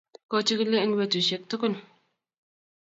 Kochigili eng betusiek tugul